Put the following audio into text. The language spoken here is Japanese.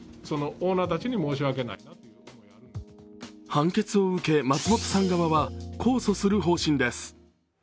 判決を受け、松本さん側は控訴する方針です。